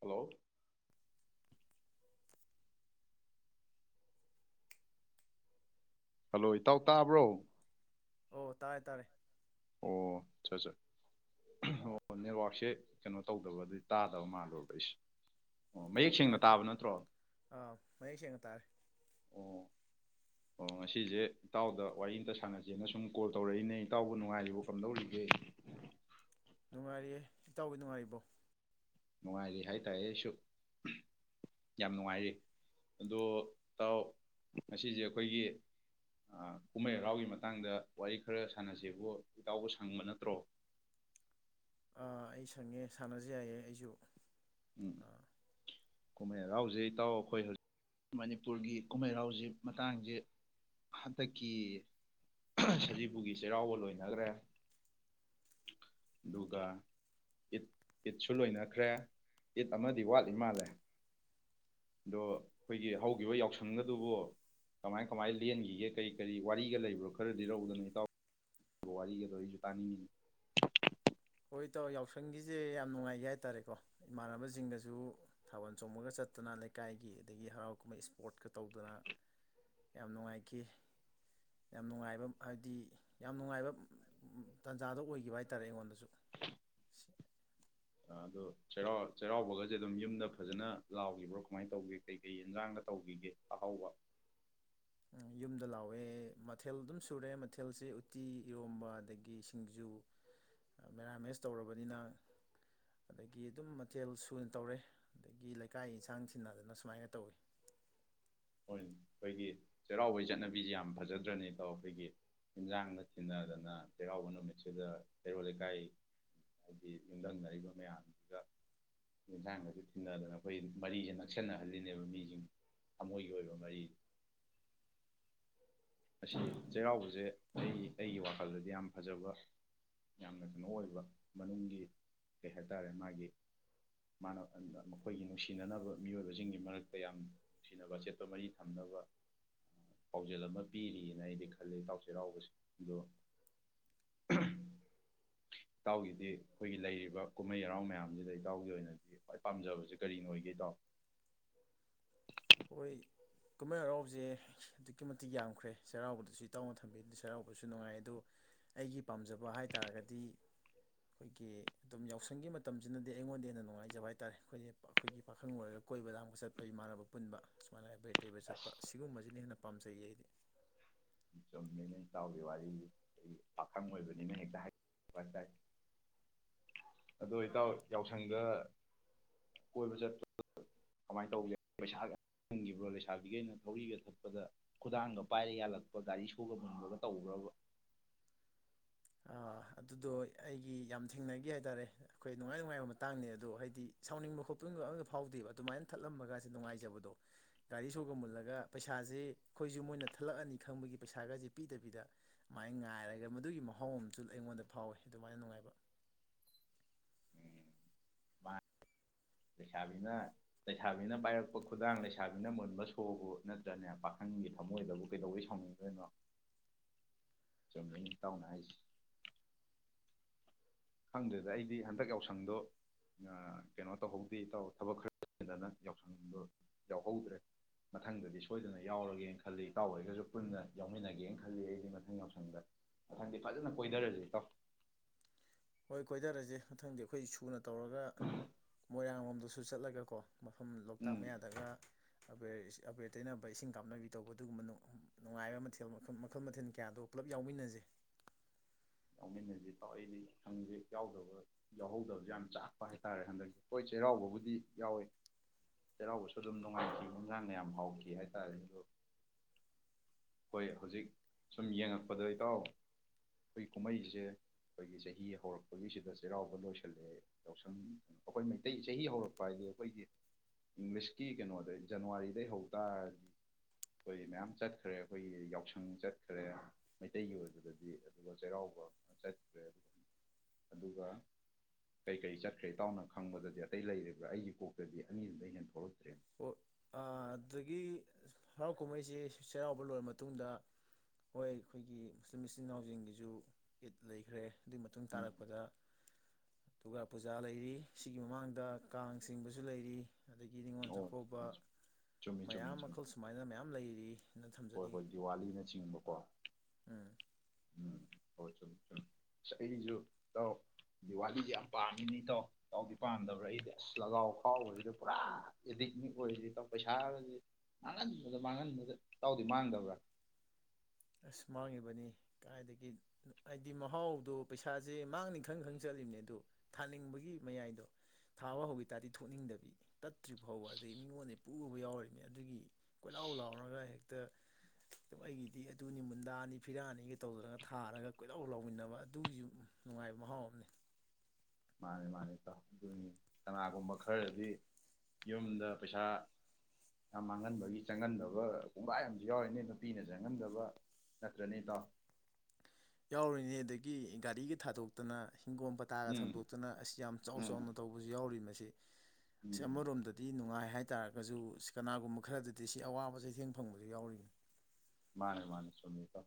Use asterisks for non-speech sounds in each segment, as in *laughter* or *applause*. hello hello ꯏꯇꯥꯎ ꯇꯥꯕ꯭ꯔꯣ ꯑꯣ ꯇꯥꯔꯦ ꯇꯥꯔꯦ ꯑꯣ ꯆꯠ ꯆꯠ ꯑꯣ ꯅꯦꯠꯋꯥꯛꯁꯦ ꯀꯩꯅꯣ ꯇꯧꯗꯕ ꯑꯗꯨ ꯇꯥꯗꯕ ꯃꯥꯜꯂꯣꯏꯕ ꯑꯩꯁꯦ ꯑꯣ ꯃꯌꯦꯛ ꯁꯦꯡꯅ ꯇꯥꯔꯦ ꯇꯥꯔꯦ ꯇꯥꯕ ꯅꯠꯇ꯭ꯔꯣ ꯑꯥ ꯃꯌꯦꯛ ꯁꯦꯡꯅ ꯇꯥꯔꯦ ꯑꯣ ꯑꯣ ꯉ ꯑꯁꯤꯁꯦ ꯏꯇꯥꯎꯗ ꯋꯥꯔꯤ ꯑꯃꯒ ꯁꯥꯟꯅꯁꯦꯅ ꯁꯨꯝ ꯀꯣꯜ ꯇꯧꯔꯛꯏꯅꯦ ꯏꯇꯥꯎꯕꯨ ꯅꯨꯡꯉꯥꯏꯔꯤꯕ ꯀꯝꯗꯧꯔꯤꯒꯦ ꯅꯨꯡꯉꯥꯏꯔꯤꯌꯦ ꯏꯇꯥꯎꯒꯤ ꯅꯨꯡꯉꯥꯏꯔꯤꯕꯣ ꯅꯨꯡꯉꯥꯏꯔꯤ ꯍꯥꯏꯇꯥꯔꯦ ꯑꯩꯁꯨ ꯌꯥꯝ ꯅꯨꯡꯉꯥꯏꯔꯤ ꯑꯗꯣ ꯏꯇꯥꯎ ꯉꯁꯤꯁꯦ ꯑꯩꯈꯣꯏꯒꯤ ꯀꯨꯝꯍꯩ ꯍꯔꯥꯎꯒꯤ ꯃꯇꯥꯡꯗ ꯋꯥꯔꯤ ꯈꯔ ꯁꯥꯟꯅꯁꯤꯕꯨ ꯏꯇꯥꯎꯕꯨ ꯁꯪꯕ ꯅꯠꯇ꯭ꯔꯣ ꯑꯩ ꯁꯪꯉꯦ ꯁꯥꯟꯅꯖ ꯌꯥꯏꯌꯦ ꯑꯩꯁꯨ ꯎꯝ ꯑꯥ ꯀꯨꯝꯍꯩ ꯍꯔꯥꯎꯁꯦ ꯇꯥꯎ ꯑꯩꯈꯣꯏ ꯍꯧꯖꯤꯛ ꯃꯅꯤꯄꯨꯔꯒꯤ ꯀꯨꯝꯍꯩꯔꯥꯎꯁꯤ ꯃꯇꯥꯡꯁꯤ ꯍꯟꯗꯛꯀꯤ ꯁꯖꯤꯕꯨꯒꯤ ꯆꯩꯔꯥꯎꯕ ꯂꯣꯏꯅꯈ꯭ꯔꯦ ꯑꯗꯨꯒ ꯏꯠ ꯏꯠꯁꯨ ꯂꯣꯏꯅꯈ꯭ꯔꯦ ꯏꯠ ꯑꯃꯗꯤ ꯋꯥꯠꯂꯤ ꯃꯥꯜꯂꯦ ꯑꯗꯣ ꯑꯩꯈꯣꯏꯒꯤ ꯍꯧꯈꯤꯕ ꯌꯥꯎꯁꯪꯒꯗꯨꯕꯨ ꯀꯃꯥꯏ ꯀꯃꯥꯏ ꯂꯦꯟꯈꯤꯒꯦ ꯀꯔꯤ ꯀꯔꯤ ꯋꯥꯔꯤꯒ ꯂꯩꯕ꯭ꯔꯣ ꯈꯔꯗꯤ ꯂꯧꯎꯗꯅ ꯏꯇꯥꯎ ꯋꯥꯔꯤꯒꯗꯣ ꯑꯩꯁꯨ ꯇꯥꯅꯤꯡꯉꯤꯅꯤ ꯍꯣꯏ ꯏꯇꯥꯎ ꯌꯥꯎꯁꯪꯒꯤꯁꯦ ꯌꯥꯝ ꯅꯨꯡꯉꯥꯏꯈꯤ ꯍꯥꯏꯇꯥꯔꯦꯀꯣ ꯏꯃꯥꯟꯅꯕꯁꯤꯡꯒꯁꯨ ꯊꯥꯕꯜ ꯆꯣꯡꯕꯒ ꯆꯠꯇꯅ ꯂꯩꯀꯥꯏꯒꯤ ꯑꯗꯒꯤ ꯍꯔꯥꯎ ꯀꯨꯝꯍꯩ ꯁꯄꯣꯔꯠꯀ ꯇꯧꯗꯅ ꯌꯥꯝ ꯅꯨꯡꯉꯥꯏꯈꯤ ꯌꯥꯝ ꯅꯨꯡꯉꯥꯏꯕ ꯍꯥꯏꯕꯗꯤ ꯌꯥꯝ ꯅꯨꯡꯉꯥꯏꯕ ꯇꯥꯟꯖꯥꯗꯣ ꯑꯣꯏꯈꯤꯕ ꯍꯥꯏꯇꯥꯔꯦ ꯑꯩꯉꯣꯟꯗꯁꯨ *unintelligible* ꯑꯗ ꯆꯩꯔꯥꯎꯕꯒꯁꯦ ꯑꯗꯨꯝ ꯌꯨꯝꯗ ꯐꯖꯅ ꯂꯥꯎꯈꯤꯕ꯭ꯔꯣ ꯀꯃꯥꯏꯅ ꯇꯧꯒꯦ ꯀꯩꯀꯩ ꯌꯦꯟꯖꯥꯡꯒ ꯇꯧꯈꯤꯒꯦ ꯑꯍꯥꯎꯕ ꯌꯨꯝꯗ ꯂꯥꯎꯋꯦ ꯃꯊꯦꯜ ꯑꯗꯨꯝ ꯁꯨꯔꯦ ꯃꯊꯦꯜꯁꯦ ꯎꯠꯇꯤ ꯏꯔꯣꯝꯕ ꯑꯗꯒꯤ ꯁꯤꯡꯖꯨ ꯃꯦꯔꯥꯃꯦꯁ ꯇꯧꯔꯕꯅꯤꯅ ꯑꯗꯒꯤ ꯑꯗꯨꯝ ꯃꯊꯦꯜ ꯁꯨꯅ ꯇꯧꯔꯦ ꯑꯗꯒꯤ ꯂꯩꯀꯥꯏ ꯌꯦꯟꯁꯥꯡ ꯊꯟꯅꯗꯅ ꯁꯨꯃꯥꯏꯅ ꯇꯧꯋꯦ ꯍ ꯑꯩꯈꯣꯏꯒꯤ ꯆꯩꯔꯥꯎꯕꯒꯤ ꯆꯠꯅꯕꯤꯁꯤꯦ ꯌꯥꯝ ꯐꯖꯗ꯭ꯔꯅꯤꯀꯣ ꯑꯩꯈꯣꯏꯒꯤ ꯑꯦꯟꯁꯥꯡꯅ ꯊꯤꯟꯅꯗꯅ ꯆꯩꯔꯥꯎꯕ ꯅꯨꯃꯤꯠꯁꯤꯗ ꯆꯩꯩꯔꯣꯜ ꯂꯩꯀꯥꯏ ꯍꯥꯏꯗꯤ ꯌꯨꯝꯊꯪꯅꯔꯤꯕ ꯃꯌꯥꯝꯁꯤꯒ ꯌꯦꯟꯁꯥꯡꯒꯁꯨ ꯊꯤꯟꯅꯗꯅ ꯑꯩꯈꯣꯏ ꯃꯔꯤꯁꯦ ꯅꯛꯁꯤꯟꯅꯍꯜꯂꯤꯅꯦꯕ ꯃꯤꯁꯤꯡ ꯊꯣꯏꯒꯤ ꯑꯣꯏꯕ ꯃꯔꯤ ꯑꯁꯤ ꯆꯩꯔꯥꯎꯕꯁꯦ ꯑꯩ ꯑꯩꯒꯤ ꯋꯥꯈꯜꯗꯗꯤ ꯌꯥꯝ ꯐꯖꯕ ꯌꯥꯝꯅ ꯀꯩꯅꯣ ꯑꯣꯏꯕ ꯃꯅꯨꯡꯒꯤ ꯀꯩ ꯍꯥꯏꯇꯥꯔꯦ ꯃꯥꯒꯤ ꯃꯥꯅ ꯃꯈꯣꯏꯒꯤ ꯅꯨꯡꯁꯤꯅꯅꯕ ꯃꯤꯑꯣꯏꯕꯁꯤꯡꯒꯤ ꯃꯔꯛꯇ ꯌꯥꯝ ꯅꯨꯡꯁꯤꯅꯕ ꯑꯆꯦꯠꯄ ꯃꯔꯤ ꯊꯝꯅꯕ ꯄꯥꯎꯖꯦꯜ ꯑꯃ ꯄꯤꯔꯤꯑꯅ ꯑꯩꯗꯤ ꯈꯜꯂꯦ ꯏꯇꯥꯎ ꯆꯩꯔꯥꯎꯕꯁꯦ ꯑꯗꯣ ꯏꯇꯥꯎꯒꯤꯗꯤ ꯑꯩꯈꯣꯏꯒꯤ ꯂꯩꯔꯤꯕ ꯀꯨꯝꯍꯩ ꯍꯔꯥꯎ ꯃꯌꯥꯝꯁꯤꯗ ꯏꯇꯥꯎꯒꯤ ꯑꯣꯏꯅꯗꯤ ꯈ꯭ꯋꯥꯏ ꯄꯥꯝꯖꯕꯁꯦ ꯀꯔꯤꯅꯣ ꯑꯣꯏꯒꯦ ꯏꯇꯥꯎ ꯍꯣꯏ ꯀꯨꯝꯍꯩ ꯍꯔꯥꯎꯁꯦ ꯑꯗꯨꯛꯀꯤ ꯃꯇꯤꯛ ꯌꯥꯝꯈ꯭ꯔꯦ ꯆꯩꯔꯥꯎꯕꯗꯁꯨ ꯏꯇꯥꯎꯅ ꯊꯝꯕꯤ ꯑꯗꯨ ꯆꯩꯔꯥꯎꯕꯁꯨ ꯅꯨꯡꯉꯥꯏ ꯑꯗꯣ ꯑꯩꯒꯤ ꯄꯥꯝꯖꯕ ꯍꯥꯏ ꯇꯥꯔꯒꯗꯤ ꯑꯩꯈꯣꯏꯒꯤ ꯑꯗꯨꯝ ꯌꯥꯎꯁꯪꯒꯤ ꯃꯇꯝꯁꯤꯅꯗꯤ ꯑꯩꯉꯣꯟꯗ ꯍꯦꯟꯅ ꯅꯨꯡꯉꯥꯏꯖꯕ ꯍꯥꯏ ꯇꯥꯔꯦ ꯑꯩꯈꯣꯏꯁ ꯑꯩꯈꯣꯏꯒꯤ ꯄꯥꯈꯪ ꯑꯣꯏꯣꯏꯔꯒ ꯀꯣꯏꯕ ꯂꯒ ꯆꯠꯄ ꯏꯃꯥꯟꯅꯕ ꯄꯨꯟꯕ ꯁꯨꯃꯥꯏꯅ ꯍꯥꯏꯕꯔ ꯇꯦꯕ ꯑꯁ ꯆꯠꯄ ꯁꯤꯒꯨꯝꯕꯁꯤꯅ ꯍꯦꯟꯅ ꯄꯥꯝꯖꯩ ꯑꯩꯗꯤ ꯏꯇꯥꯎꯒꯤ ꯋꯥꯔꯤ ꯑꯩ ꯄꯥꯈꯪ ꯑꯣꯏꯕꯅꯤꯅ ꯍꯦꯛꯇ ꯍꯥꯏ ꯍꯥꯏꯇꯥꯥꯏ ꯑꯗꯣ ꯍꯇꯥꯎ ꯌꯥꯎꯁꯪꯒ ꯀꯣꯏꯕ ꯆꯠꯄ ꯀꯃꯥꯏꯅ ꯇꯧꯕꯒꯦ ꯄꯩꯁꯥꯒ ꯍꯪꯈꯤꯕ꯭ꯔꯣ ꯂꯩꯁꯥꯕꯤꯒꯤꯩꯅ ꯊꯧꯔꯤꯒ ꯊꯛꯄꯗ ꯈꯨꯗꯥꯡꯒ ꯄꯥꯏꯔꯒ ꯌꯥꯜꯂꯛꯄ ꯒꯥꯔꯤ ꯁꯨꯕ ꯃꯨꯟꯈꯒ ꯇꯧꯕ꯭ꯔꯕ ꯑꯗꯨꯗꯣ ꯑꯩꯒꯤ ꯌꯥꯝ ꯊꯦꯡꯅꯈꯤ ꯍꯥꯏ ꯇꯥꯔꯦ ꯑꯩꯈꯣꯏ ꯅꯨꯡꯉꯥꯏ ꯅꯨꯡꯉꯥꯏꯕ ꯃꯇꯥꯡꯅꯦ ꯑꯗꯣ ꯍꯥꯏꯗꯤ ꯁꯥꯎꯅꯤꯡꯕ ꯈꯣꯠꯄꯅꯤꯡꯕ ꯑꯇ ꯐꯥꯎꯗꯦꯕ ꯑꯗꯨꯃꯥꯏꯅ ꯊꯠꯂꯝꯕꯒꯁꯦ ꯅꯨꯡꯉꯥꯏꯖꯕꯗꯣ ꯒꯥꯔꯤꯁꯨꯣꯒ ꯃꯨꯜꯂꯒ ꯄꯩꯁꯥꯁꯦ ꯑꯩꯈꯣꯏꯁꯨ ꯃꯣꯏꯅ ꯊꯠꯂꯛꯑꯅꯤ ꯈꯪꯕꯒꯤ ꯄꯩꯁꯥꯒꯁꯤꯦ ꯄꯤꯗꯕꯤꯗ ꯑꯗꯨꯃꯥꯏꯅ ꯉꯥꯏꯔꯒ ꯃꯗꯨꯒꯤ ꯑꯍꯥꯎꯕ ꯑꯃꯁꯨ ꯑꯩꯉꯣꯟꯗ ꯐꯥꯎꯋꯦ ꯑꯗꯨꯃꯥꯏꯅ ꯅꯨꯡꯉꯥꯏꯕ ꯂꯩꯁꯥꯕꯤꯅ ꯂꯩꯁꯥꯕꯤꯅ ꯄꯥꯏꯔꯛꯄ ꯈꯨꯗꯥꯡ ꯂꯩꯁꯥꯕꯤꯅ ꯃꯨꯟꯕ ꯁꯣꯕꯨ ꯅꯠꯇ꯭ꯔꯅꯦ ꯄꯥꯈꯪꯒꯤ ꯊꯝꯃꯣꯏꯗꯕꯨ ꯀꯩꯗꯧꯕꯩ ꯁꯥꯎꯅꯤꯡꯗꯣꯏꯅꯣ ꯆꯨꯝꯗ ꯇꯥꯎꯅ ꯍꯥꯏꯁꯦ ꯈꯪꯗ꯭ꯔꯗ ꯑꯩꯗꯤ ꯍꯟꯗꯛ ꯌꯥꯎꯁꯪꯗꯣ ꯀꯩꯅꯣ ꯇꯧꯍꯧꯗꯦ ꯏꯇꯧ ꯊꯕꯛ ꯈꯔꯗꯅ ꯌꯥꯎꯁꯪꯗꯣ ꯌꯥꯎꯍꯧꯗ꯭ꯔꯦ ꯃꯊꯪꯗꯗꯤ ꯁꯣꯏꯗꯅ ꯌꯥꯎꯔꯒꯦꯅ ꯈꯜꯂꯤ ꯏꯇꯥꯎ ꯑꯣꯏꯔꯒꯁꯨ ꯄꯨꯟꯅ ꯌꯥꯎꯃꯤꯟꯅꯒꯦꯅ ꯈꯜꯂꯤ ꯑꯩꯗꯤ ꯃꯊꯪ ꯌꯥꯎꯁꯪꯗ ꯃꯊꯪꯗꯤ ꯐꯖꯅ ꯀꯣꯏꯊꯔꯁ ꯏꯇꯥꯎ ꯍꯣꯏ ꯀꯣꯏꯊꯔꯁꯦ ꯃꯊꯪꯗꯤ ꯑꯩꯈꯣꯏ ꯁꯨꯅ ꯇꯧꯔꯒ ꯃꯣꯏꯔꯥꯡ ꯂꯣꯝꯗꯁꯨ ꯆꯠꯂꯒꯀꯣ ꯃꯐꯝ ꯂꯣꯛꯇꯥꯛ ꯎꯝ ꯃꯌꯥꯗꯒ ꯕꯦ ꯑꯕꯦꯔ ꯇꯩꯅꯕ ꯏꯁꯤꯡ ꯀꯥꯞꯅꯕꯤ ꯇꯧꯕ ꯑꯗꯨꯒꯨꯝꯕ ꯅꯨꯡꯉꯥꯏꯕ ꯃꯊꯦꯜ ꯃꯈꯜ ꯃꯊꯦꯜ ꯀꯌꯥꯗꯣ ꯄꯨꯂꯞ ꯌꯥꯎꯃꯤꯟꯅꯖꯩ ꯌꯥꯎꯃꯤꯟꯅꯁꯤ ꯇꯥꯎ ꯑꯩꯅꯦ ꯁꯪꯁ ꯌꯥꯎꯗꯕ ꯌꯥꯎꯍꯧꯗꯕꯁꯨ ꯌꯥꯝ ꯆꯥꯛꯄ ꯍꯥꯏꯇꯥꯔꯦ ꯍꯟꯗꯛꯁ ꯍꯣꯏ ꯆꯩꯔꯥꯎꯕꯕꯨꯗꯤ ꯌꯥꯎꯋꯤ ꯆꯩꯔꯥꯎꯕꯁꯨ ꯑꯗꯨꯝ ꯅꯨꯡꯉꯥꯏꯈꯤ ꯍꯟꯁꯥꯡꯅ ꯌꯥꯝ ꯍꯥꯎꯈꯤ ꯍꯥꯏꯇꯥꯔꯦ ꯑꯗꯣ ꯍꯣꯏ ꯍꯧꯖꯤꯛ ꯁꯨꯝ ꯌꯦꯡꯉꯛꯄꯗꯩꯇꯥꯎ ꯑꯩ ꯀꯨꯝꯍꯩꯁꯦ ꯑꯩꯈꯣꯏꯒꯤ ꯆꯍꯤ ꯍꯧꯔꯛꯄꯒꯤꯁꯤꯗ ꯆꯩꯔꯥꯎꯕ ꯂꯣꯏꯁꯤꯜꯂꯛꯑꯦ ꯌꯥꯎꯁꯪ ꯑꯩꯈꯣꯏ ꯃꯩꯇꯩ ꯆꯍꯤ ꯍꯧꯔꯛꯄ ꯍꯥꯏꯗꯤ ꯑꯩꯈꯣꯏꯒꯤ ꯏꯪꯂꯤꯁꯀꯤ ꯀꯩꯅꯣꯗꯩ ꯖꯅꯋꯥꯔꯤꯗꯩ ꯍꯧꯇꯥꯥꯔꯗꯤ ꯑꯩꯈꯣꯏ ꯃꯌꯥꯝ ꯆꯠꯈ꯭ꯔꯦ ꯑꯩꯈꯣꯏꯒꯤ ꯌꯥꯎꯁꯪ ꯆꯠꯈ꯭ꯔꯦ ꯃꯩꯇꯩꯒꯤ ꯑꯣꯏꯕꯗꯗꯤ ꯑꯗꯨꯒ ꯆꯩꯔꯥꯎꯕ ꯆꯠꯇ꯭ꯔꯦ ꯑꯗꯨꯒ ꯑꯗꯨꯒ ꯀꯩꯀꯩ ꯆꯠꯈ꯭ꯔꯦ ꯏꯇꯥꯎꯅ ꯈꯪꯕꯗꯗꯤ ꯑꯇꯩ ꯂꯩꯔꯤꯕ꯭ꯔꯥ ꯑꯩꯒꯤ ꯀꯣꯛꯇꯗꯤ ꯑꯅꯤꯗꯨꯗꯒꯤꯩ ꯍꯦꯟ ꯊꯣꯛꯂꯛꯇ꯭ꯔꯦ ꯑꯣ ꯑꯗꯨꯗꯒꯤ ꯍꯔꯥꯎ ꯀꯨꯝꯍꯩꯁꯤꯦ ꯆꯩꯔꯥꯎꯕ ꯂꯣꯏꯔꯕ ꯃꯇꯨꯡꯗ ꯍꯣꯏ ꯑꯩꯈꯣꯏꯒꯤ ꯃꯨꯁꯂꯤꯝ ꯏꯆꯤꯟ ꯏꯅꯥꯎꯁꯤꯡꯒꯤꯁꯨ ꯏꯠ ꯂꯩꯈ꯭ꯔꯦ ꯑꯗꯨꯏ ꯃꯇꯨꯡ ꯎꯝ ꯇꯥꯔꯛꯄꯗ ꯗꯨꯔꯒꯥ ꯄꯨꯖꯥ ꯂꯩꯔꯤ ꯁꯤꯒꯤ ꯃꯃꯥꯡꯗ ꯀꯥꯡ ꯆꯤꯡꯕꯁꯨ ꯂꯩꯔꯤ ꯑꯗꯒꯤ ꯅꯤꯡꯉꯣꯟ ꯆꯥꯛ ꯑꯣ ꯆꯨꯝꯃꯤ ꯆꯨꯝꯃꯤ ꯆꯨꯝꯃꯤ ꯃꯌꯥꯝ ꯆꯨꯝꯃꯤ ꯃꯈꯜ ꯁꯨꯃꯥꯏꯅ ꯃꯌꯥꯝ ꯂꯩꯔꯤ ꯍꯣꯏ ꯍꯣꯏ ꯗꯤꯋꯥꯂꯤꯅꯆꯤꯡꯕꯀꯣ ꯎꯝ ꯎꯝ ꯍꯧ ꯁꯨꯝ ꯁꯨꯝ ꯑꯁ ꯑꯩꯁꯨ ꯇꯧ ꯗꯤꯋꯥꯂꯤꯁꯦ ꯌꯥꯝ ꯄꯥꯝꯃꯤꯅꯤ ꯇꯧ ꯇꯧꯗꯤ ꯄꯥꯝꯗꯕ꯭ꯔꯥ ꯑꯩꯗꯤ ꯑꯁ ꯂꯒꯥꯎ ꯐꯥꯎꯕꯁꯤꯗ ꯄꯨꯔꯥ ꯑꯦꯗꯤꯛꯅꯤꯛ ꯑꯣꯏꯔꯤꯗꯤ ꯇꯧ ꯄꯩꯁꯥꯒꯗꯤ ꯃꯥꯡꯍꯟꯕꯗ ꯃꯥꯡꯍꯟꯕꯗ ꯇꯗꯤ ꯃꯥꯡꯗꯕ꯭ꯔꯥ ꯑ ꯃꯥꯡꯉꯤꯕꯅꯤ ꯀꯥꯏꯗꯒꯤ ꯍꯥꯏꯗꯤ ꯃꯍꯥꯎꯗꯣ ꯄꯩꯁꯥꯁꯦ ꯃꯥꯡꯅꯤ ꯈꯪ ꯈꯪ ꯆꯠꯂꯤꯕꯅꯦ ꯑꯗꯣ ꯊꯥꯅꯤꯡꯕꯒꯤ ꯃꯌꯥꯏꯗꯣ ꯊꯥꯕ ꯍꯧꯈꯤ ꯇꯥꯔꯗꯤ ꯊꯣꯛꯅꯤꯡꯗꯕꯤ ꯇꯠꯇ꯭ꯔꯤꯕ ꯐꯥꯎꯕ ꯑꯗꯨꯩ ꯃꯤꯉꯣꯟꯗ ꯄꯨꯕ ꯌꯥꯎꯔꯤꯕꯅꯤ ꯑꯗꯨꯒꯤ ꯀꯣꯏꯂꯥꯎ ꯂꯥꯎꯔꯒ ꯍꯦꯛꯇ ꯑꯩꯒꯤꯗꯤ ꯑꯗꯨꯅꯤ ꯃꯨꯟꯗꯥ ꯑꯅꯤ ꯐꯤꯔꯥꯅꯤꯒ ꯇꯧꯗꯔꯒ ꯊꯥꯔꯒ ꯀꯣꯏꯗꯧ ꯂꯧꯥꯎꯃꯤꯟꯅꯕ ꯑꯗꯨꯒꯤꯁꯨ ꯅꯨꯡꯉꯥꯏꯕ ꯃꯍꯥꯎ ꯑꯃꯅꯤ ꯃꯥꯅꯦ ꯃꯥꯅꯦ ꯏꯇꯥꯎ ꯑꯗꯨꯅꯤ ꯀꯅꯥꯒꯨꯝꯕ ꯈꯔꯗꯤ ꯌꯨꯝꯗ ꯄꯩꯁꯥ ꯌꯥꯝ ꯃꯥꯡꯍꯟꯕꯒꯤ ꯆꯪꯍꯟꯗꯕ ꯀꯣꯡꯒꯥꯏ ꯑꯃꯁꯨ ꯌꯥꯎꯔꯤꯅꯦ ꯅꯨꯄꯤꯅ ꯆꯪꯍꯟꯗꯕ ꯅꯠꯇ꯭ꯔꯅꯦ ꯏꯇꯥꯎ ꯌꯥꯎꯔꯤꯅꯦ ꯑꯗꯒꯤ ꯒꯥꯔꯤꯒꯤ ꯊꯥꯗꯣꯛꯇꯅ ꯍꯤꯡꯒꯣꯝ ꯄꯇꯥꯒ ꯎꯝ ꯊꯝꯗꯣꯛꯇꯨꯅ ꯑꯁꯤ ꯌꯥꯝ ꯆꯥꯎ ꯎꯝ ꯆꯥꯎꯅ ꯇꯧꯕꯁꯨ ꯌꯥꯎꯔꯤ ꯃꯁꯤ ꯑꯁꯤ ꯎꯝ ꯑꯃꯔꯣꯝꯗꯗꯤ ꯅꯨꯡꯉꯥꯏ ꯍꯥꯏꯇꯥꯥꯔꯒꯁꯨ ꯑꯁꯤ ꯀꯅꯥꯒꯨꯝꯕ ꯈꯔꯗꯗꯤ ꯁꯤ ꯑꯋꯥꯕ ꯆꯩꯊꯦꯡ ꯐꯪꯕꯁꯨ ꯌꯥꯎꯔꯤꯅꯤ ꯃꯥꯅꯦ ꯃꯥꯅ ꯆꯨꯝꯃꯦ ꯏꯇꯥꯎ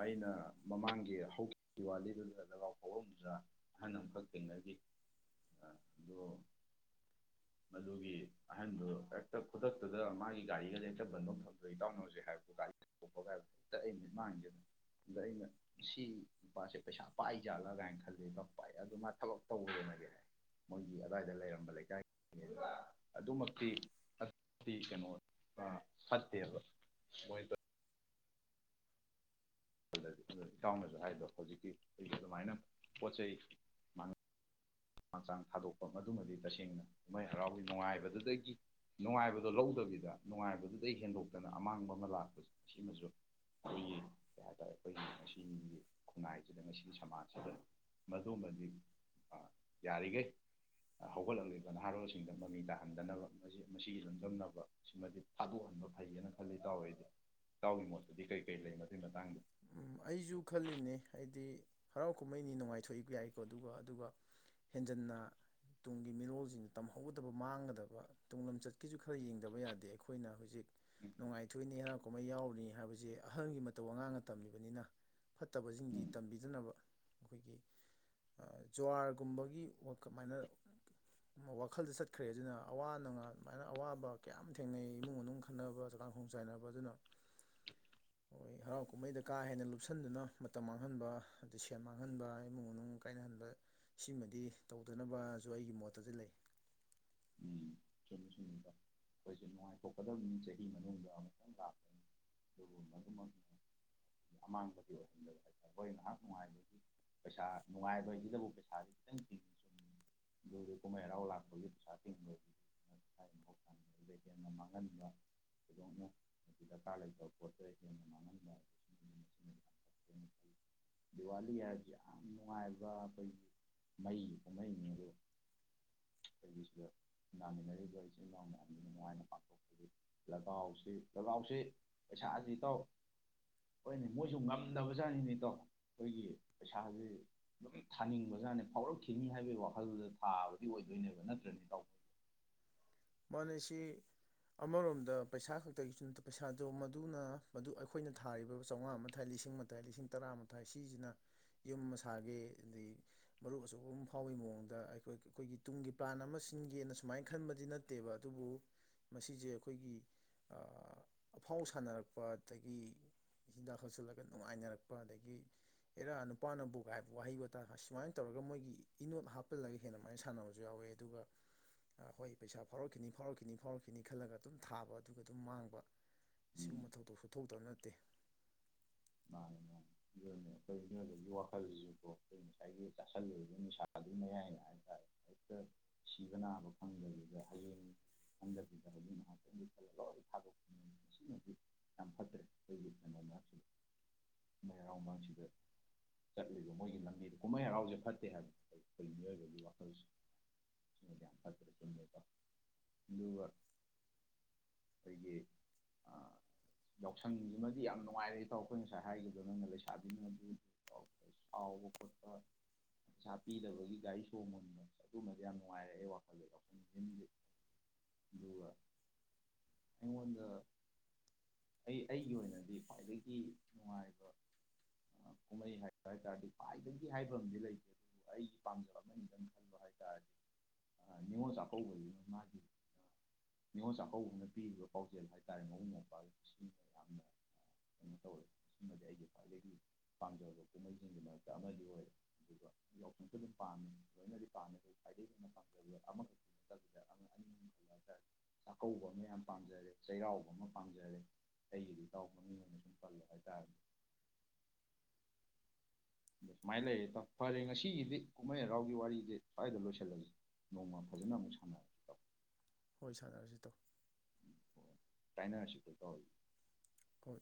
ꯑꯩꯅ ꯃꯃꯥꯡꯒꯤ ꯍꯧꯈꯤꯕ ꯗꯤꯋꯥꯂꯤꯗꯨꯗꯨꯗ ꯂꯒꯥꯎ ꯍꯧꯔꯝꯖꯥ ꯑꯍꯟ ꯑꯃꯈꯛ ꯊꯦꯡꯅꯈꯤ ꯑꯗꯣ ꯃꯗꯨꯒꯤ ꯑꯍꯟꯗꯨ ꯍꯦꯛꯇ ꯈꯨꯗꯛꯇꯨꯗ ꯃꯥꯒꯤ ꯒꯥꯔꯤꯒꯗꯤ ꯍꯦꯛꯇ ꯟꯐꯧ ꯐꯝꯗꯣꯏ ꯏꯇꯥꯎꯅ ꯍꯧꯖꯤꯛ ꯍꯥꯏꯕ ꯒꯥꯔꯤ *inaudible* ꯆ ꯑ ꯅꯨ ꯏꯠꯃꯥꯡꯁꯤꯦꯗ ꯑꯗꯨꯗ ꯑꯩꯅ ꯁꯤ ꯅꯨꯄꯥꯁꯦ ꯄꯩꯁꯥ ꯄꯥꯏꯖꯥꯜꯂ ꯀꯥꯏꯅ ꯈꯜꯂꯦ ꯄꯥꯏ ꯑꯗꯨ ꯃꯥ ꯊꯕꯛ ꯇꯧꯦꯅꯗꯤ ꯍꯥꯏ ꯃꯣꯏꯒꯤ ꯑꯗꯨꯗꯥꯋꯥꯏꯗ ꯂꯩꯔꯝꯕ ꯂꯩꯀꯥꯏꯒꯤ ꯑꯗꯨꯃꯛꯇꯤ ꯀꯩꯅꯣ ꯐꯠꯇꯦꯕ ꯏꯇꯥꯎꯅꯁꯨ ꯍꯥꯏꯗꯣ ꯍꯧꯖꯤꯛꯀꯤ ꯑꯩꯁꯨ ꯑꯗꯨꯃꯥꯏꯅ ꯄꯣꯠ ꯆꯩꯥ ꯃꯥꯡ ꯃꯥꯟꯆꯥꯡ ꯊꯥꯗꯣꯛꯄ ꯃꯗꯨꯃꯗꯤ ꯇꯁꯦꯡꯅ ꯀꯨꯝꯃꯩ ꯍꯔꯥꯎꯒꯤ ꯅꯨꯡꯉꯥꯏꯕꯗꯨꯗꯒꯤ ꯅꯨꯡꯉꯥꯏꯕꯗꯣ ꯂꯧꯗꯕꯤꯗ ꯅꯨꯡꯉꯥꯏꯕꯗꯨꯗꯒꯤꯩ ꯍꯦꯟꯗꯣꯛꯇꯅ ꯑꯃꯥꯡꯕ ꯑꯃ ꯂꯥꯛꯄꯁꯦ ꯁꯤꯃꯁꯨ ꯑꯩꯈꯣꯏꯒꯤ ꯀꯩ ꯍꯥꯏꯇꯥꯔꯦ ꯑꯩꯈꯣꯏꯒꯤ ꯉꯁꯤꯒꯤ ꯈꯨꯟꯅꯥꯏꯁꯤꯗ ꯉꯁꯤꯒꯤ ꯁꯃꯥꯖꯁꯤꯗ ꯃꯗꯨꯃꯗꯤ ꯌꯥꯔꯤꯈꯩ ꯍꯧꯒꯠꯂꯛꯂꯤꯕ ꯅꯍꯥꯔꯣꯜꯁꯤꯡꯗ ꯃꯃꯤ ꯇꯥꯍꯟꯗꯅꯕ ꯃꯁꯤꯒꯤ ꯂꯝꯗꯥꯝ ꯅꯕ ꯁꯤꯃꯗꯤ ꯊꯥꯗꯣꯛꯍꯟꯕ ꯐꯩꯌꯦꯅ ꯈꯜꯂꯤ ꯏꯇꯥꯎꯗꯤ ꯏꯇꯥꯎꯒꯤ ꯃꯣꯠꯇꯨꯗꯤ ꯀꯩ ꯀꯔꯤ ꯂꯩ ꯃꯏ ꯃꯇꯥꯡꯗ ꯑꯩꯁꯨ ꯈꯜꯂꯤꯕꯅꯦ ꯑꯩꯗꯤ ꯍꯔꯥꯎ ꯀꯨꯝꯍꯩꯅꯤ ꯅꯨꯡꯉꯥꯏꯊꯣꯛꯏ ꯌꯥꯏꯀꯣ ꯑꯗꯨꯒ ꯑꯗꯨꯒ ꯍꯦꯟꯖꯟꯅ ꯇꯨꯡꯒꯤ ꯃꯤꯔꯣꯜꯁꯤꯡꯗ ꯇꯝꯍꯧꯒꯗꯕ ꯃꯥꯡꯒꯗꯕ ꯇꯨꯡ ꯂꯝꯆꯠꯀꯤꯁꯨ ꯈꯔ ꯌꯦꯡꯗꯕ ꯌꯥꯗꯦ ꯑꯩꯈꯣꯏꯅ ꯍꯧꯖꯤꯛ ꯅꯨꯡꯉꯥꯏꯊꯣꯛꯅꯤ ꯍꯔꯥꯎ ꯀꯨꯝꯍꯩ ꯌꯥꯎꯔꯤꯅꯤ ꯍꯥꯏꯕꯁꯦ ꯑꯍꯟꯒꯤ ꯃꯇꯧ ꯑꯉꯥꯡꯅ ꯇꯝꯃꯤꯕ ꯑꯣꯏꯕꯅꯤꯅ ꯐꯠꯇꯕꯁꯤꯡꯗꯤ ꯎꯝ ꯇꯝꯕꯤꯗꯅꯕ ꯑꯩꯈꯣꯏꯒꯤ ꯖꯨꯋꯥꯔꯒꯨꯝꯕꯒꯤ ꯀꯃꯥꯏꯅ ꯋꯥꯈꯜꯗ ꯆꯠꯈ꯭ꯔꯦ ꯑꯗꯨꯅ ꯑꯋꯥ ꯅꯨꯡꯉꯥꯏ ꯑꯗꯨꯃꯥꯏꯅ ꯑꯋꯥꯕ ꯀꯌꯥꯝ ꯊꯦꯡꯅꯩ ꯏꯃꯨꯡ ꯃꯅꯨꯡ ꯈꯟꯅꯕ ꯆꯥꯛꯀ ꯀꯥꯡꯈꯣꯡ ꯆꯥꯏꯅꯕ ꯑꯗꯨꯅ ꯑꯩꯈꯣꯏ ꯍꯔꯥꯎ ꯀꯨꯝꯍꯩꯗ ꯀꯥ ꯍꯦꯟꯅ ꯂꯨꯞꯁꯟꯗꯨꯅ ꯃꯇꯝ ꯃꯥꯡꯍꯟꯕ ꯑꯗꯩ ꯁꯦꯟ ꯃꯥꯡꯍꯟꯕ ꯏꯃꯨꯡ ꯃꯅꯨꯡ ꯀꯥꯏꯅꯍꯟꯕ ꯁꯤꯃꯗꯤ ꯇꯧꯗꯅꯕꯁꯨ ꯑꯩꯒꯤ ꯃꯣꯠꯇꯖꯨ ꯂꯩ ꯁꯨꯝꯃꯤ ꯁꯨꯝꯕ ꯑꯩꯈꯣꯏꯁꯦ ꯅꯨꯡꯉꯥꯏꯊꯣꯛꯀꯗꯕꯅꯤ ꯆꯍꯤ ꯃꯅꯨꯡꯗ ꯑꯃꯨꯛꯇꯪ ꯂꯥꯛꯄꯅꯤ ꯑꯗꯨꯕꯨ ꯃꯗꯨꯃ ꯑꯃꯥꯡꯕꯗꯤ ꯑꯣꯏꯍꯟꯗꯕ ꯍꯥꯏꯇꯥꯔꯦ ꯑꯩꯈꯣꯏ ꯉꯥꯏꯍꯥꯛ ꯅꯨꯡꯉꯥꯏꯕꯒꯤ ꯄꯩꯁꯥ ꯅꯨꯡꯉꯥꯏꯕꯩꯁꯤꯗꯕꯨ ꯄꯩꯁꯥꯁꯤ ꯈꯤꯇꯪ ꯊꯤꯡꯕ ꯆꯨꯝꯃꯤ ꯑꯗꯨꯗ ꯀꯨꯝꯍꯩ ꯍꯔꯥꯎ ꯂꯥꯛꯄꯒꯤ ꯄꯩꯁꯥ *inaudible* ꯕ ꯃꯍ ꯑꯗꯨꯗ ꯍꯦꯟꯅ ꯃꯥꯡꯍꯟꯕ ꯊꯣꯏꯗꯣꯛꯅ ꯗꯔꯀꯥꯔ ꯂꯩꯇꯕ ꯄꯣꯠꯇꯨꯗ ꯍꯦꯟꯅ ꯃꯥꯡꯍꯟꯕ ꯗꯤꯋꯥꯂꯤ ꯍꯥꯏꯔꯕꯁꯤ ꯌꯥꯝ ꯅꯨꯡꯉꯥꯏꯕ ꯑꯩꯈꯣꯏꯒꯤ ꯃꯩ ꯀꯨꯝꯍꯩꯅꯦ ꯑꯗꯨꯒ ꯁꯤꯒꯤꯁꯤꯗ *inaudible* ꯅꯥꯃꯤꯟꯅꯔꯤꯕ ꯏꯆꯤꯟꯜ ꯏꯅꯥꯎ ꯃꯌꯥꯝꯅ ꯅꯨꯡꯉꯥꯏꯅ ꯄꯥꯡꯊꯣꯛꯄꯒꯤ ꯂꯒꯥꯎꯁꯤ ꯂꯒꯥꯎꯁꯤ ꯄꯩꯁꯥꯁꯤ ꯏꯇꯥꯎ ꯍꯣꯏꯅꯦ ꯃꯣꯏꯁꯨ ꯉꯝꯗꯕꯖꯥꯠꯅꯤꯅꯦ ꯏꯇꯥꯎ ꯑꯩꯈꯣꯏꯒꯤ ꯄꯩꯁꯥꯁꯤ ꯑꯗꯨꯝ ꯊꯥꯅꯤꯡꯕꯖꯥꯠꯅꯤ ꯐꯥꯎꯔꯛꯈꯤꯅꯤ ꯍꯥꯏꯕꯒꯤ ꯋꯥꯈꯜꯗ ꯊꯥꯕꯗꯤ ꯑꯣꯏꯗꯣꯏꯅꯦꯕ ꯅꯠꯇ꯭ꯔꯅꯤ ꯇꯥꯎ *inaudible* ꯃꯅꯩꯁꯤ ꯑꯃꯔꯣꯝꯗ ꯄꯩꯁꯥ ꯈꯛꯇꯒꯤꯁꯨ ꯅꯠꯇ ꯄꯩꯁꯥꯗꯣ ꯃꯗꯨꯅ ꯃꯗꯨ ꯑꯩꯈꯣꯏꯅ ꯊꯥꯔꯤꯕ ꯆꯥꯝꯃꯉꯥ ꯃꯈꯥꯏ ꯂꯤꯁꯤꯡ ꯑꯃꯥꯏ ꯂꯤꯁꯤꯡ ꯇꯔꯥꯃꯊꯥꯏ ꯁꯤꯁꯤꯅ ꯌꯨꯝ ꯑꯃ ꯁꯥꯒꯦ ꯑꯗꯗꯒꯤ ꯃꯔꯨꯞ ꯑꯆꯧꯕ ꯑꯃ ꯐꯥꯎꯏ ꯃꯑꯣꯡꯗ ꯑꯩꯈꯣꯏ ꯑꯩꯈꯣꯏꯒꯤ ꯇꯨꯡꯒꯤ ꯄ꯭ꯂꯥꯟ ꯑꯃ ꯁꯤꯟꯒꯦꯅ ꯁꯨꯃꯥꯏꯅ ꯈꯟꯕꯗꯤ ꯅꯦ ꯅꯠꯇꯦꯕ ꯑꯗꯨꯕꯨ ꯃꯁꯤꯁꯦ ꯑꯩꯈꯣꯏꯒꯤ ꯑꯐꯥꯎ ꯁꯥꯟꯅꯔꯛꯄ ꯑꯗꯒꯤ ꯍꯤꯗꯥꯛ ꯍꯥꯛꯆꯤꯜꯂꯒ ꯅꯨꯡꯉꯥꯏꯅꯔꯛꯄ ꯑꯗꯒꯤ ꯏꯔꯥ ꯅꯨꯄꯥꯅꯕꯨꯒꯥꯏꯕ ꯋꯥꯍꯩ ꯋꯥꯇꯥ ꯁꯨꯃꯥꯏꯅ ꯇꯧꯔꯒ ꯃꯣꯏꯒꯤ ꯏꯅꯣꯠ ꯍꯥꯞꯄꯜꯂꯒ ꯍꯦꯟꯅꯃꯥꯏꯅ ꯁꯥꯟꯅꯕꯁꯨ ꯌꯥꯎꯋꯦ ꯑꯗꯨꯒ ꯑꯩꯈꯣꯏ ꯄꯩꯁꯥ *inaudible* ꯐꯥꯎꯔꯛꯈꯤꯅꯤ ꯐꯥꯎꯔꯛꯈꯤꯅꯤ ꯐꯥꯎꯔꯛꯈꯤꯅꯤ ꯈꯜꯂꯒ ꯑꯗꯨꯝ ꯊꯥꯕ ꯑꯗꯨꯒ ꯑꯗꯨꯝ ꯃꯥꯡꯕ *inaudible* ꯎꯝ ꯁꯤꯒꯨꯝꯕ ꯊꯧꯗꯣꯛꯁꯨ ꯊꯣꯛꯇꯕ ꯅꯠ *inaudible* *inaudible* ꯃꯥ ꯃꯤꯑꯣꯏꯕꯅ ꯑꯩꯈꯣꯏ ꯃꯤꯑꯣꯏꯕꯒꯤ ꯋꯥꯈꯜꯁꯤꯀꯣ ꯑꯩꯈꯣꯏ ꯉꯁꯥꯏꯒꯤ ꯆꯥꯥꯁꯜꯂꯨꯕ ꯅꯤꯁꯥꯗꯨ ꯃꯌꯥꯏꯗ ꯍꯦꯛꯇ ꯁꯤꯕ ꯅꯥꯕ ꯐꯪꯗꯕꯤꯗ ꯍꯌꯦꯡ ꯍꯟꯗꯕꯤꯗ ꯍꯥꯏꯗꯤ ꯉꯥꯏꯍꯥꯛꯇꯪ ꯂꯈꯠꯂ ꯂꯔꯒ ꯊꯥꯗꯣꯛꯄ ꯁꯤꯃꯗꯤ ꯌꯥꯝ ꯐꯠꯇ꯭ꯔꯦ ꯑꯩꯈꯣꯏꯒꯤ ꯐꯅꯉꯥꯛꯁꯤꯗ *inaudible* ꯀꯨꯝꯍꯩ ꯍꯔꯥꯎ ꯃꯥꯡꯁꯤꯗ ꯆꯠꯂꯤꯕ ꯃꯣꯏꯒꯤ ꯂꯝꯕꯤꯗ ꯀꯨꯝꯍꯩ ꯍꯔꯥꯎꯁꯦ ꯐꯠꯇꯦ ꯍꯥꯏꯕ ꯑꯩꯈꯣꯏ ꯃꯤꯑꯣꯏꯕꯒꯤ ꯋꯥꯈꯜꯁ ꯁꯤꯃꯗꯤ ꯌꯥꯝ ꯐꯠꯇ꯭ꯔꯦ ꯆꯨꯝꯃꯦꯀꯣ ꯑꯗꯨꯒ ꯑꯩꯈꯣꯏꯒꯤ ꯌꯥꯎꯁꯪꯁꯤꯃꯗꯤ ꯌꯥꯝ ꯅꯨꯡꯉꯥꯏꯔꯦ *inaudible* ꯇꯥꯎ ꯑꯩꯈꯣꯏ ꯉꯁꯥꯏ ꯍꯥꯏꯈꯤꯕꯗ ꯅꯪꯅ ꯂꯩꯁꯥꯕꯤꯅ ꯑꯗꯨ ꯁꯥꯎꯕ ꯈꯣꯠꯄ ꯄꯩꯁꯥ ꯄꯤꯗꯕꯒꯤ ꯒꯥꯔꯤ ꯁꯣꯡꯕꯅꯤꯕ ꯑꯗꯨꯒꯨꯝꯝꯕꯗꯤ ꯌꯥꯝ ꯅꯨꯡꯉꯥꯏꯔꯦ ꯑꯩ ꯋꯥꯈꯜꯗ ꯋꯥꯈꯣꯏ ꯑꯗꯨꯒ ꯑꯩꯉꯣꯟꯗ ꯑꯩ ꯑꯩꯒꯤ ꯑꯣꯏꯅꯗꯤ ꯈ꯭ꯋꯥꯏꯗꯒꯤ *inaudible* ꯒꯤ ꯅꯨꯡꯉꯥꯏꯕ ꯀꯨꯝꯍꯩ ꯍꯥꯏꯕ ꯍꯥꯏ ꯇꯥꯔꯗꯤ ꯈ꯭ꯋꯥꯏꯗꯒꯤ ꯍꯥꯏꯕ ꯑꯃꯗꯤ ꯂꯩꯇꯦ ꯑꯗꯨꯕꯨ ꯑꯩꯒꯤ ꯄꯥꯝꯖꯕ ꯑꯃꯅꯤꯇꯪ ꯈꯟꯕ ꯍꯥꯏ ꯇꯥꯔꯗꯤ ꯅꯤꯡꯉꯣꯜ ꯆꯥꯛꯀꯧꯕꯗꯨꯅ ꯃꯥꯒꯤ ꯅꯤꯡꯅꯤꯉꯣꯜ ꯆꯥꯛꯀꯧꯕꯅ ꯄꯤꯔꯤꯕ ꯄꯥꯎꯖꯦꯜ ꯍꯥꯏꯇꯥꯥꯔꯦ ꯃꯕꯨꯡ ꯃꯧꯄ꯭ ꯁꯤꯅ ꯌꯥꯝꯅ *inaudible* ꯀꯩꯅꯣ ꯇꯧꯋꯦ ꯁꯤꯃꯗꯤ ꯑꯩꯒꯤ ꯈ꯭ꯋꯥꯏꯗꯒꯤ ꯄꯥꯝꯖꯕ ꯀꯨꯝꯍꯩꯁꯤꯡꯒꯤ ꯃꯔꯛꯇ ꯑꯃꯗꯤ ꯑꯣꯏꯔꯦ ꯑꯗꯨꯒ ꯌꯥꯎꯁꯪꯁꯨ ꯑꯗꯨꯝ ꯄꯥꯝꯃꯦ ꯂꯣꯏꯅꯗꯤ ꯄꯥꯝꯃꯦ ꯑꯩ ꯈ꯭ꯋꯥꯏꯗꯒꯤ ꯍꯦꯟꯅ ꯄꯥꯝꯖꯕꯗ ꯑꯃꯈꯛꯀꯤ ꯅꯠꯇꯗ ꯑꯅꯤ ꯑ ꯍꯥꯏꯇꯥꯔꯦ ꯆꯥꯛꯀꯧꯕ ꯑꯃ ꯌꯥꯝ ꯄꯥꯝꯖꯔꯦ ꯆꯩꯔꯥꯎꯕ ꯑꯃ ꯄꯥꯝꯖꯔꯦ ꯑꯩꯒꯤꯗꯤ ꯏꯇꯥꯎꯕ ꯃꯤ ꯑꯣꯏꯅꯁꯨ *inaudible* ꯜ ꯇ *inaudible* ꯑ ꯁꯨꯃꯥꯏꯅ ꯂꯩꯔꯦ ꯇꯥꯎ ꯐꯔꯦ ꯉꯁꯤꯒꯤꯗꯤ ꯀꯨꯝꯍꯩ ꯍꯔꯥꯎꯒꯤ ꯋꯥꯔꯤꯗꯤ ꯁ꯭ꯋꯥꯏꯗ ꯂꯣꯏꯁꯤꯜꯂꯒꯦ ꯅꯣꯡꯃ ꯐꯖꯅ ꯑꯃꯨꯛ ꯁꯥꯟꯅꯔꯁꯤꯦ ꯇꯥꯎ *inaudible* ꯍꯣꯏ ꯁꯥꯟꯅꯔꯁꯤ ꯇꯣ *inaudible* ꯀꯥꯏꯅ ꯑꯁꯤ ꯇ *inaudible* ꯍꯣꯏ